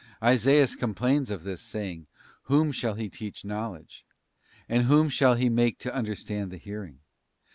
Isaias com plains of this, saying: ' Whom shall he teach knowledge ? and whom shall he make to understand the hearing?